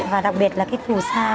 và đặc biệt là cái phù sáng